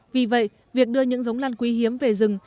vì vậy việc đưa những giống lan quý hiếm về rừng